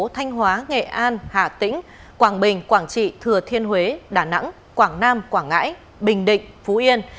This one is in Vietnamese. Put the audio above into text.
thanh hóa nghệ an hà tĩnh quảng bình quảng trị thừa thiên huế đà nẵng quảng nam quảng ngãi bình định phú yên